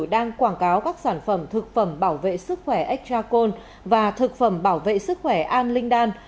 đang quảng cáo các sản phẩm thực phẩm bảo vệ sức khỏe ecracon và thực phẩm bảo vệ sức khỏe an linh đan